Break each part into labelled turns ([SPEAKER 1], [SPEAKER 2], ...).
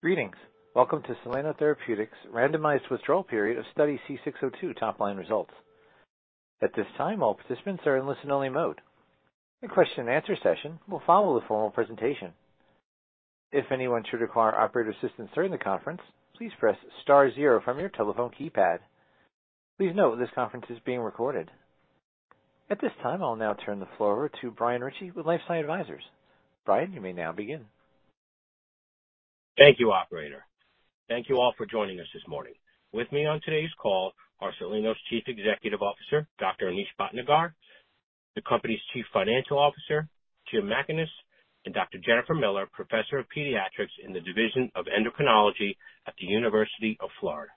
[SPEAKER 1] Greetings. Welcome to Soleno Therapeutics' randomized withdrawal period of Study C602 top-line results. At this time, all participants are in listen-only mode. A question and answer session will follow the formal presentation. If anyone should require operator assistance during the conference, please press star zero from your telephone keypad. Please note, this conference is being recorded. At this time, I'll now turn the floor over to Brian Ritchie with LifeSci Advisors. Brian, you may now begin.
[SPEAKER 2] Thank you, operator. Thank you all for joining us this morning. With me on today's call are Soleno's Chief Executive Officer, Dr. Anish Bhatnagar; the company's Chief Financial Officer, Jim Mackaness; and Dr. Jennifer Miller, Professor of Pediatrics in the Division of Endocrinology at the University of Florida.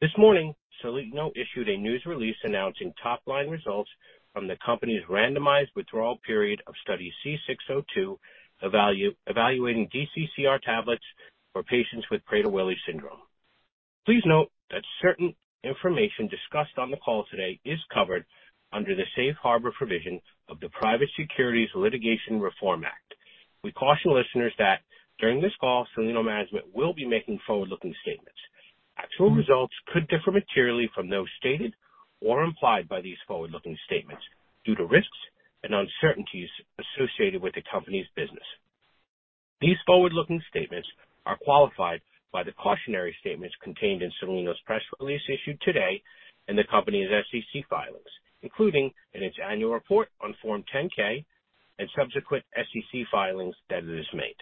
[SPEAKER 2] This morning, Soleno issued a news release announcing top-line results from the company's randomized withdrawal period of Study C602, evaluating DCCR tablets for patients with Prader-Willi syndrome. Please note that certain information discussed on the call today is covered under the safe harbor provision of the Private Securities Litigation Reform Act. We caution listeners that during this call, Soleno management will be making forward-looking statements. Actual results could differ materially from those stated or implied by these forward-looking statements due to risks and uncertainties associated with the company's business. These forward-looking statements are qualified by the cautionary statements contained in Soleno's press release issued today and the company's SEC filings, including in its annual report on Form 10-K and subsequent SEC filings that it has made.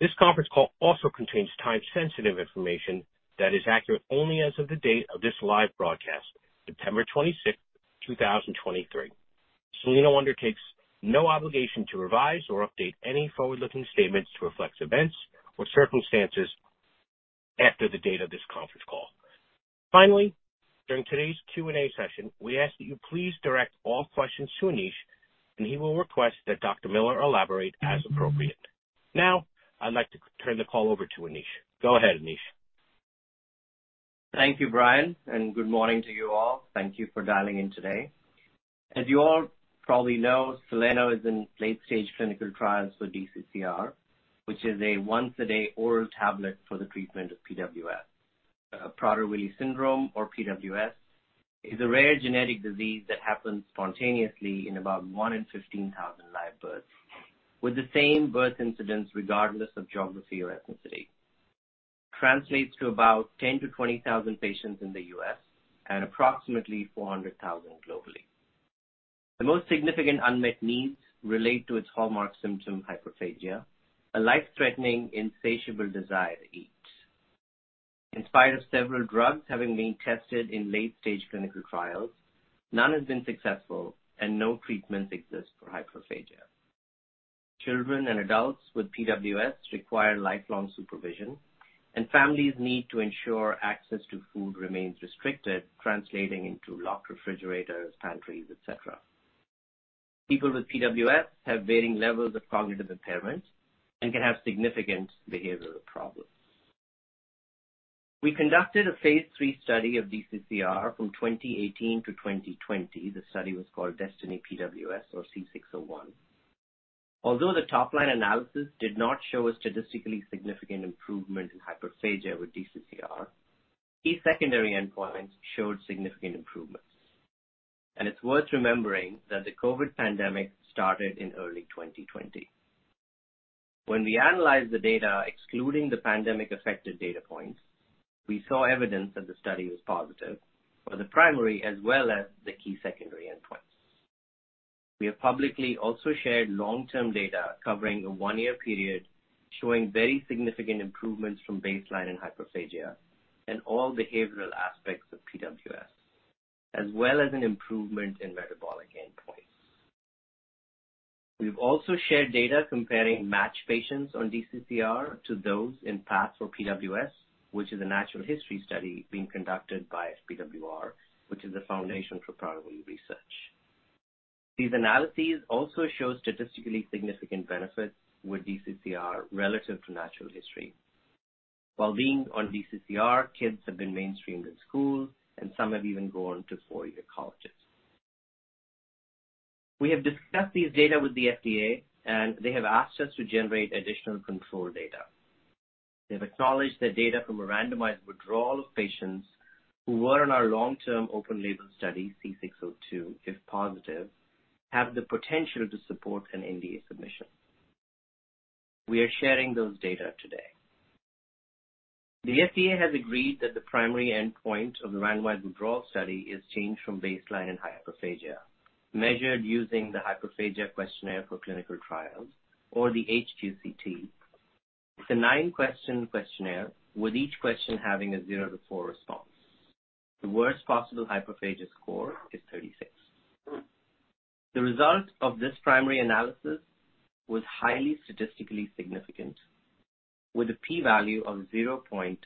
[SPEAKER 2] This conference call also contains time-sensitive information that is accurate only as of the date of this live broadcast, September 26th, 2023. Soleno undertakes no obligation to revise or update any forward-looking statements to reflect events or circumstances after the date of this conference call. Finally, during today's Q&A session, we ask that you please direct all questions to Anish, and he will request that Dr. Miller elaborate as appropriate. Now, I'd like to turn the call over to Anish. Go ahead, Anish.
[SPEAKER 3] Thank you, Brian, and good morning to you all. Thank you for dialing in today. As you all probably know, Soleno is in late-stage clinical trials for DCCR, which is a once-a-day oral tablet for the treatment of PWS. Prader-Willi Syndrome, or PWS, is a rare genetic disease that happens spontaneously in about one in 15,000 live births, with the same birth incidence regardless of geography or ethnicity. Translates to about 10,000-20,000 patients in the U.S. and approximately 400,000 globally. The most significant unmet needs relate to its hallmark symptom, hyperphagia, a life-threatening, insatiable desire to eat. In spite of several drugs having been tested in late-stage clinical trials, none have been successful, and no treatments exist for hyperphagia. Children and adults with PWS require lifelong supervision, and families need to ensure access to food remains restricted, translating into locked refrigerators, pantries, et cetera. People with PWS have varying levels of cognitive impairment and can have significant behavioral problems. We conducted a phase III study of DCCR from 2018 to 2020. The study was called Destiny PWS, or C601. Although the top-line analysis did not show a statistically significant improvement in hyperphagia with DCCR, key secondary endpoints showed significant improvements, and it's worth remembering that the COVID pandemic started in early 2020. When we analyzed the data, excluding the pandemic-affected data points, we saw evidence that the study was positive for the primary as well as the key secondary endpoints. We have publicly also shared long-term data covering a one-year period, showing very significant improvements from baseline and hyperphagia and all behavioral aspects of PWS, as well as an improvement in metabolic endpoints. We've also shared data comparing matched patients on DCCR to those in PATH for PWS, which is a natural history study being conducted by FPWR, which is the Foundation for Prader-Willi Research. These analyses also show statistically significant benefits with DCCR relative to natural history. While being on DCCR, kids have been mainstreamed in schools, and some have even gone to four-year colleges. We have discussed these data with the FDA, and they have asked us to generate additional control data. They've acknowledged that data from a randomized withdrawal of patients who were on our long-term open label study, C602, if positive, have the potential to support an NDA submission. We are sharing those data today. The FDA has agreed that the primary endpoint of the randomized withdrawal study is changed from baseline and hyperphagia, measured using the Hyperphagia Questionnaire for Clinical Trials, or the HQCT. It's a nine-question questionnaire, with each question having a zero to four response. The worst possible hyperphagia score is 36. The result of this primary analysis was highly statistically significant, with a P value of 0.0022.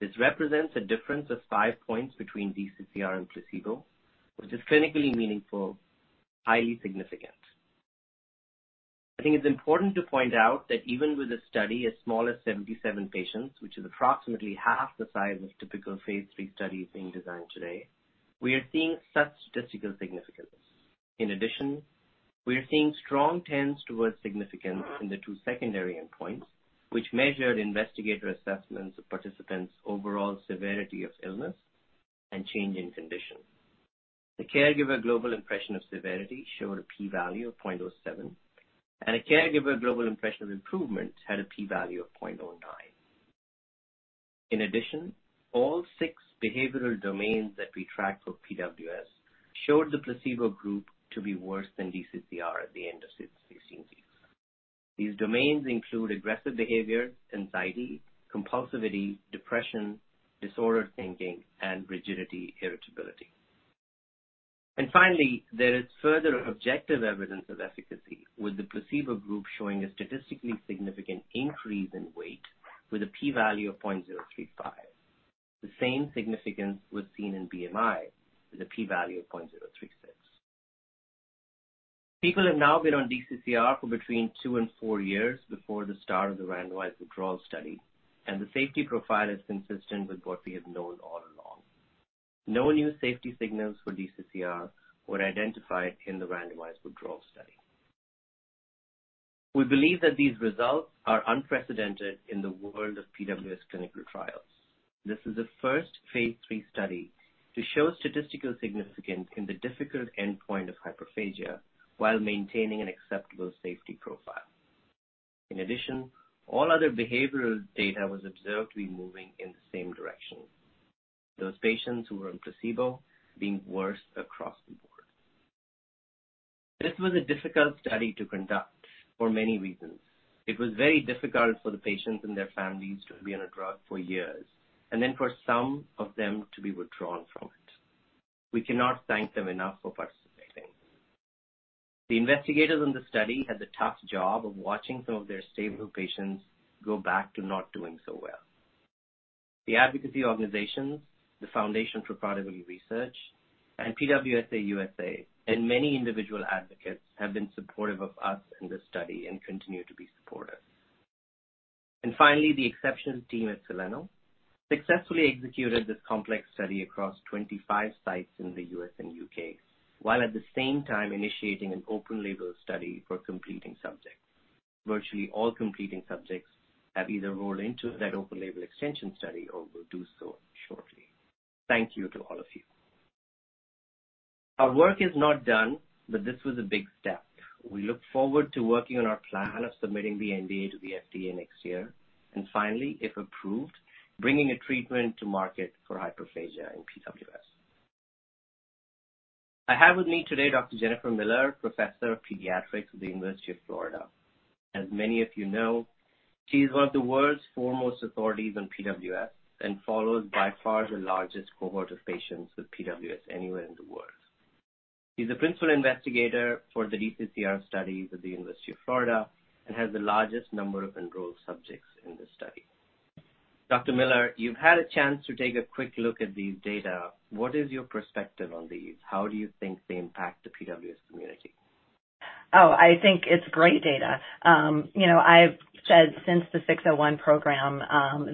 [SPEAKER 3] This represents a difference of five points between DCCR and placebo, which is clinically meaningful, highly significant. I think it's important to point out that even with a study as small as 77 patients, which is approximately half the size of typical phase III studies being designed today. We are seeing such statistical significance. In addition, we are seeing strong trends towards significance in the two secondary endpoints, which measure investigator assessments of participants' overall severity of illness and change in condition. The Caregiver Global Impression of Severity showed a P value of 0.07, and a Caregiver Global Impression of Improvement had a P value of 0.09. In addition, all six behavioral domains that we track for PWS showed the placebo group to be worse than DCCR at the end of 16 weeks. These domains include aggressive behavior, anxiety, compulsivity, depression, disordered thinking, and rigidity-irritability. And finally, there is further objective evidence of efficacy, with the placebo group showing a statistically significant increase in weight with a P value of 0.035. The same significance was seen in BMI, with a P value of 0.036. People have now been on DCCR for between two and four years before the start of the randomized withdrawal study, and the safety profile is consistent with what we have known all along. No new safety signals for DCCR were identified in the randomized withdrawal study. We believe that these results are unprecedented in the world of PWS clinical trials. This is the first phase III study to show statistical significance in the difficult endpoint of hyperphagia while maintaining an acceptable safety profile. In addition, all other behavioral data was observed to be moving in the same direction. Those patients who were on placebo, being worse across the board. This was a difficult study to conduct for many reasons. It was very difficult for the patients and their families to be on a drug for years, and then for some of them to be withdrawn from it. We cannot thank them enough for participating. The investigators on the study had the tough job of watching some of their stable patients go back to not doing so well. The advocacy organizations, the Foundation for Prader-Willi Research, and PWSA USA, and many individual advocates, have been supportive of us in this study and continue to be supportive. And finally, the exceptional team at Soleno successfully executed this complex study across 25 sites in the U.S. and U.K., while at the same time initiating an open-label study for completing subjects. Virtually all completing subjects have either rolled into that open-label extension study or will do so shortly. Thank you to all of you. Our work is not done, but this was a big step. We look forward to working on our plan of submitting the NDA to the FDA next year, and finally, if approved, bringing a treatment to market for hyperphagia in PWS. I have with me today Dr. Jennifer Miller, Professor of Pediatrics at the University of Florida. As many of you know, she's one of the world's foremost authorities on PWS and follows by far the largest cohort of patients with PWS anywhere in the world. She's the principal investigator for the DCCR studies at the University of Florida and has the largest number of enrolled subjects in this study. Dr. Miller, you've had a chance to take a quick look at these data. What is your perspective on these? How do you think they impact the PWS community?
[SPEAKER 4] Oh, I think it's great data. You know, I've said since the 601 program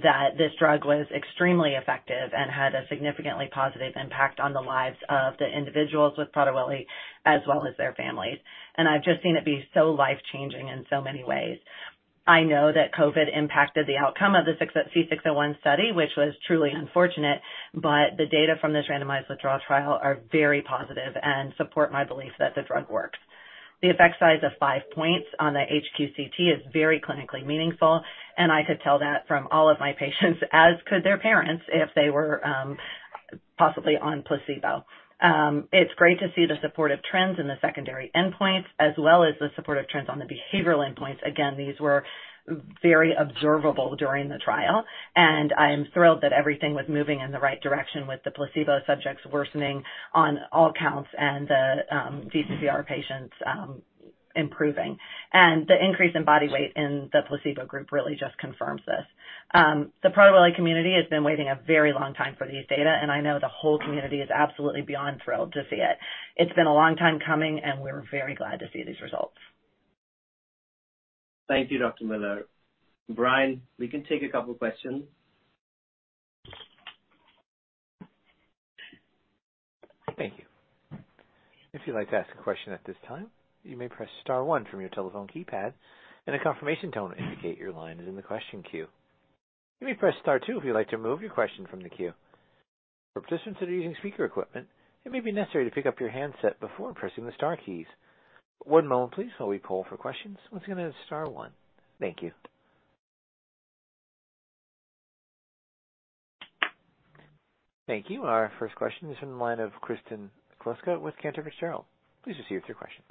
[SPEAKER 4] that this drug was extremely effective and had a significantly positive impact on the lives of the individuals with Prader-Willi, as well as their families. I've just seen it be so life-changing in so many ways. I know that COVID impacted the outcome of the C601 study, which was truly unfortunate, but the data from this randomized withdrawal trial are very positive and support my belief that the drug works. The effect size of five points on the HQCT is very clinically meaningful, and I could tell that from all of my patients, as could their parents, if they were possibly on placebo. It's great to see the supportive trends in the secondary endpoints, as well as the supportive trends on the behavioral endpoints. Again, these were very observable during the trial, and I'm thrilled that everything was moving in the right direction, with the placebo subjects worsening on all counts and the DCCR patients improving. The increase in body weight in the placebo group really just confirms this. The Prader-Willi community has been waiting a very long time for these data, and I know the whole community is absolutely beyond thrilled to see it. It's been a long time coming, and we're very glad to see these results.
[SPEAKER 3] Thank you, Dr. Miller. Brian, we can take a couple questions.
[SPEAKER 1] Thank you. If you'd like to ask a question at this time, you may press star one from your telephone keypad, and a confirmation tone will indicate your line is in the question queue. You may press star two if you'd like to remove your question from the queue. For participants that are using speaker equipment, it may be necessary to pick up your handset before pressing the star keys. One moment please, while we poll for questions. Once again, that's star one. Thank you. Thank you. Our first question is in the line of Kristen Kluska with Cantor Fitzgerald. Please proceed with your questions.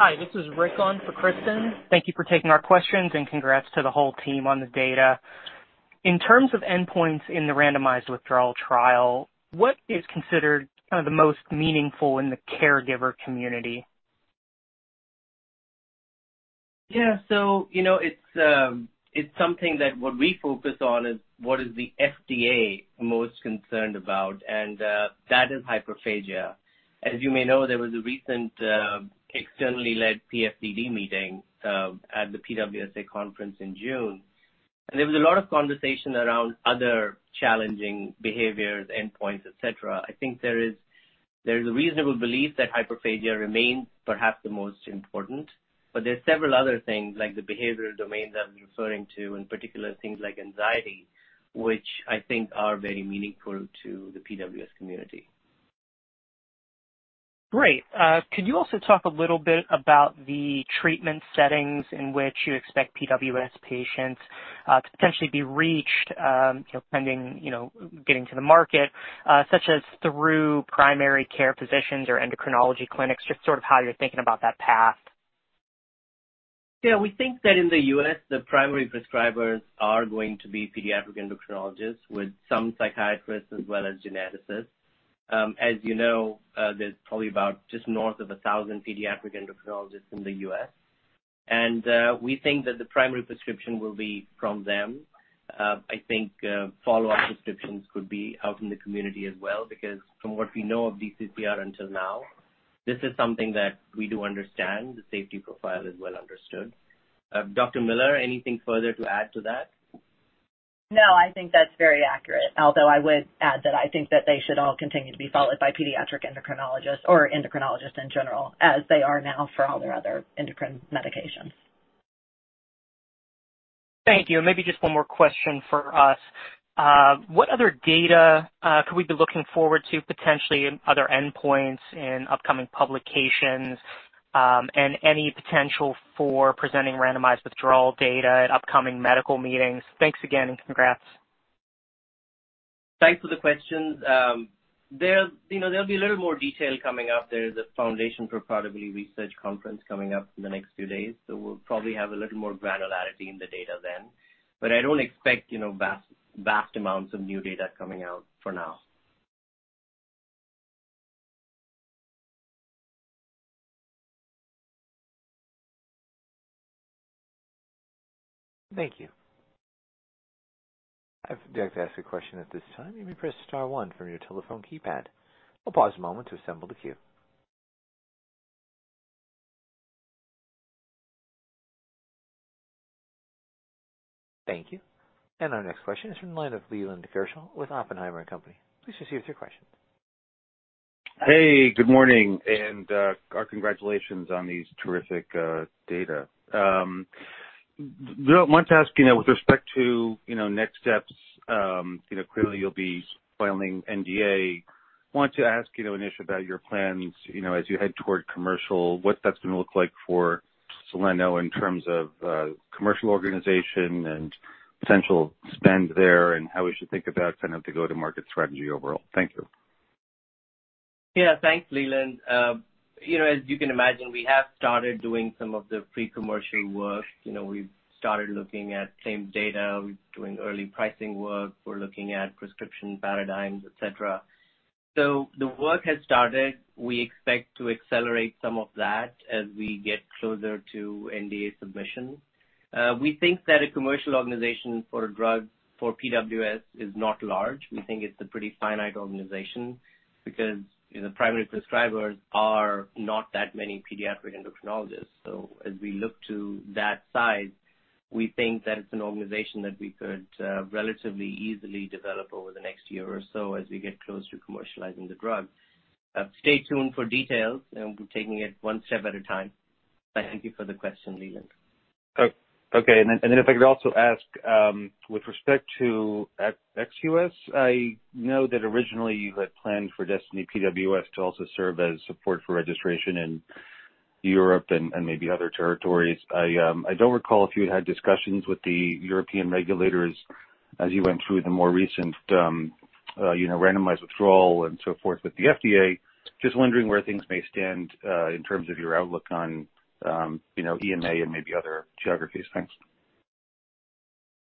[SPEAKER 5] Hi, this is Rick on for Kristen. Thank you for taking our questions, and congrats to the whole team on the data. In terms of endpoints in the randomized withdrawal trial, what is considered kind of the most meaningful in the caregiver community?
[SPEAKER 3] Yeah. So you know, it's something that what we focus on is what is the FDA most concerned about, and that is hyperphagia. As you may know, there was a recent externally led PFDD meeting at the PWSA conference in June. And there was a lot of conversation around other challenging behaviors, endpoints, et cetera. I think there is a reasonable belief that hyperphagia remains perhaps the most important. But there are several other things, like the behavioral domain that I'm referring to, in particular, things like anxiety, which I think are very meaningful to the PWS community.
[SPEAKER 5] Great. Could you also talk a little bit about the treatment settings in which you expect PWS patients to potentially be reached, you know, pending, you know, getting to the market, such as through primary care physicians or endocrinology clinics? Just sort of how you're thinking about that path.
[SPEAKER 3] Yeah, we think that in the U.S., the primary prescribers are going to be pediatric endocrinologists with some psychiatrists as well as geneticists. As you know, there's probably about just north of 1,000 pediatric endocrinologists in the U.S., and we think that the primary prescription will be from them. I think follow-up prescriptions could be out in the community as well, because from what we know of DCCR until now, this is something that we do understand. The safety profile is well understood. Dr. Miller, anything further to add to that?
[SPEAKER 4] No, I think that's very accurate, although I would add that I think that they should all continue to be followed by pediatric endocrinologists or endocrinologists in general, as they are now for all their other endocrine medications.
[SPEAKER 5] Thank you. Maybe just one more question for us. What other data could we be looking forward to, potentially other endpoints in upcoming publications, and any potential for presenting randomized withdrawal data at upcoming medical meetings? Thanks again, and congrats.
[SPEAKER 3] Thanks for the questions. There, you know, there'll be a little more detail coming up. There's a Foundation for Prader-Willi Research Conference coming up in the next few days, so we'll probably have a little more granularity in the data then. But I don't expect, you know, vast, vast amounts of new data coming out for now.
[SPEAKER 5] Thank you.
[SPEAKER 1] you'd like to ask a question at this time, you may press star one from your telephone keypad. We'll pause a moment to assemble the queue. Thank you. Our next question is from the line of Leland Gershell with Oppenheimer & Co. Please proceed with your question.
[SPEAKER 6] Hey, good morning, and our congratulations on these terrific data. Wanted to ask, you know, with respect to, you know, next steps. You know, clearly you'll be filing NDA. Wanted to ask, you know, Anish, about your plans, you know, as you head toward commercial, what that's going to look like for Soleno in terms of, commercial organization and potential spend there, and how we should think about kind of the go-to-market strategy overall. Thank you.
[SPEAKER 3] Yeah. Thanks, Leland. You know, as you can imagine, we have started doing some of the pre-commercial work. You know, we've started looking at claims data. We're doing early pricing work. We're looking at prescription paradigms, et cetera. So the work has started. We expect to accelerate some of that as we get closer to NDA submission. We think that a commercial organization for a drug for PWS is not large. We think it's a pretty finite organization because the primary prescribers are not that many pediatric endocrinologists. So as we look to that size, we think that it's an organization that we could relatively easily develop over the next year or so as we get close to commercializing the drug. Stay tuned for details, and we're taking it one step at a time. Thank you for the question, Leland.
[SPEAKER 6] Okay, then if I could also ask, with respect to ex-U.S., I know that originally you had planned for Destiny PWS to also serve as support for registration in Europe and maybe other territories. I don't recall if you had discussions with the European regulators as you went through the more recent, you know, randomized withdrawal and so forth with the FDA. Just wondering where things may stand in terms of your outlook on, you know, EMA and maybe other geographies. Thanks.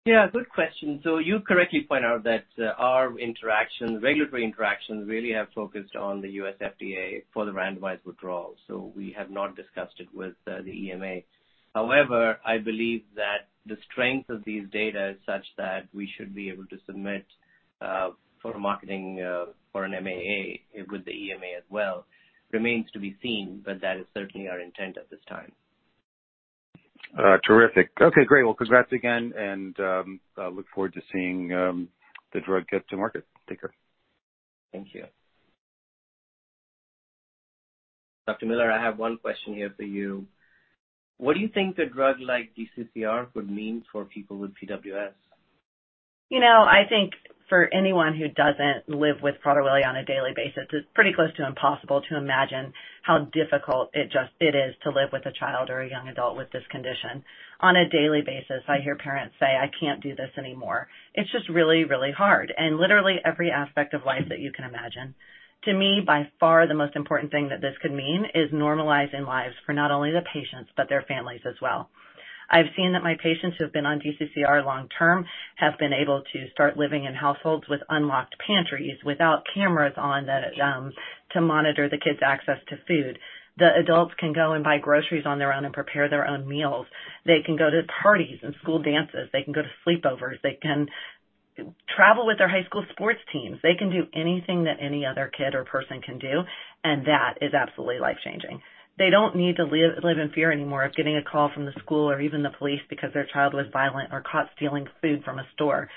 [SPEAKER 3] Yeah, good question. So you correctly point out that, our interactions, regulatory interactions, really have focused on the U.S. FDA for the randomized withdrawal, so we have not discussed it with, the EMA. However, I believe that the strength of these data is such that we should be able to submit, for a marketing, for an MAA with the EMA as well. Remains to be seen, but that is certainly our intent at this time.
[SPEAKER 6] Terrific. Okay, great. Well, congrats again, and I look forward to seeing the drug get to market. Take care.
[SPEAKER 3] Thank you. Dr. Miller, I have one question here for you. What do you think a drug like DCCR could mean for people with PWS?
[SPEAKER 4] You know, I think for anyone who doesn't live with Prader-Willi on a daily basis, it's pretty close to impossible to imagine how difficult it is to live with a child or a young adult with this condition. On a daily basis, I hear parents say, "I can't do this anymore." It's just really, really hard and literally every aspect of life that you can imagine. To me, by far, the most important thing that this could mean is normalizing lives for not only the patients but their families as well. I've seen that my patients who have been on DCCR long term have been able to start living in households with unlocked pantries, without cameras on, that to monitor the kids' access to food. The adults can go and buy groceries on their own and prepare their own meals. They can go to parties and school dances. They can go to sleepovers. They can travel with their high school sports teams. They can do anything that any other kid or person can do, and that is absolutely life-changing. They don't need to live in fear anymore of getting a call from the school or even the police because their child was violent or caught stealing food from a store.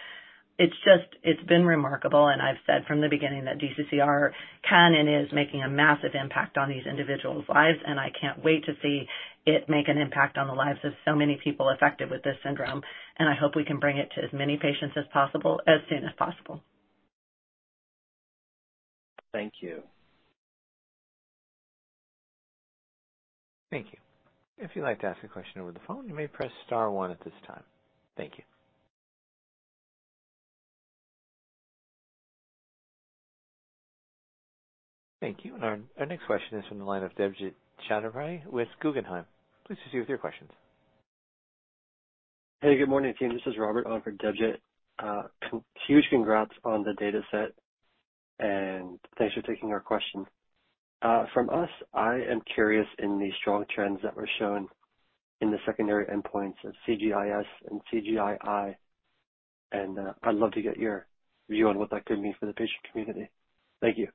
[SPEAKER 4] It's just, it's been remarkable, and I've said from the beginning that DCCR can and is making a massive impact on these individuals' lives, and I can't wait to see it make an impact on the lives of so many people affected with this syndrome. And I hope we can bring it to as many patients as possible, as soon as possible.
[SPEAKER 3] Thank you.
[SPEAKER 1] Thank you. If you'd like to ask a question over the phone, you may press star one at this time. Thank you. Thank you. Our next question is from the line of Debjit Chowdhury with Guggenheim. Please proceed with your questions.
[SPEAKER 7] Hey, good morning, team. This is Robert on for Debjit. Huge congrats on the data set, and thanks for taking our question. From us, I am curious in the strong trends that were shown in the secondary endpoints of CGI-S and CGI-I, and I'd love to get your view on what that could mean for the patient community. Thank you.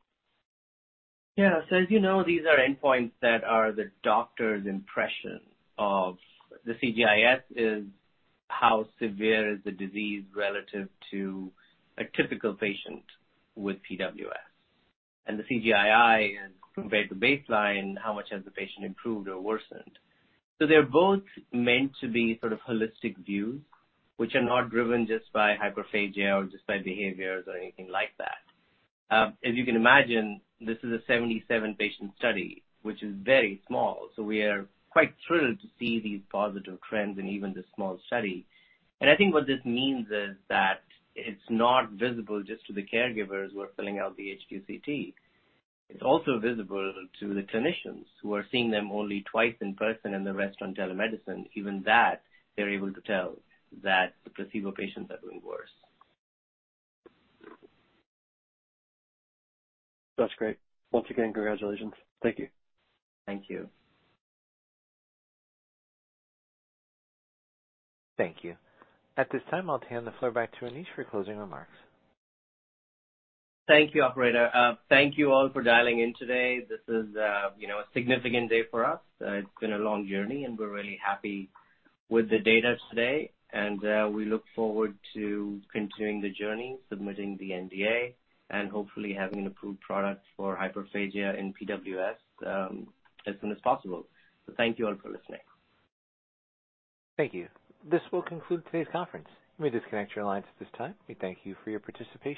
[SPEAKER 3] Yeah. So as you know, these are endpoints that are the doctor's impression of... The CGI-S is how severe is the disease relative to a typical patient with PWS. And the CGI-I is, compared to baseline, how much has the patient improved or worsened? So they're both meant to be sort of holistic views, which are not driven just by hyperphagia or just by behaviors or anything like that. As you can imagine, this is a 77-patient study, which is very small, so we are quite thrilled to see these positive trends in even the small study. And I think what this means is that it's not visible just to the caregivers who are filling out the HQCT. It's also visible to the clinicians who are seeing them only twice in person and the rest on telemedicine. Even that, they're able to tell that the placebo patients are doing worse.
[SPEAKER 7] That's great. Once again, congratulations. Thank you.
[SPEAKER 3] Thank you.
[SPEAKER 1] Thank you. At this time, I'll hand the floor back to Anish for closing remarks.
[SPEAKER 3] Thank you, operator. Thank you all for dialing in today. This is, you know, a significant day for us. It's been a long journey, and we're really happy with the data today, and we look forward to continuing the journey, submitting the NDA, and hopefully having an approved product for hyperphagia in PWS, as soon as possible. So thank you all for listening.
[SPEAKER 1] Thank you. This will conclude today's conference. You may disconnect your lines at this time. We thank you for your participation.